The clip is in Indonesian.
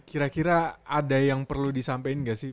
kira kira ada yang perlu disampaikan gak sih